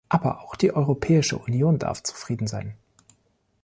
Aber auch die Europäische Union darf zufrieden sein.